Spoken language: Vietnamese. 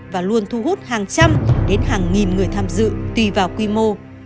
và luôn thu hút hàng trăm đến hàng nghìn người tham dự tùy vào quy mô